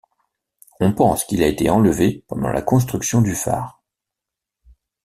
On pense qu'il a été enlevé pendant la construction du phare.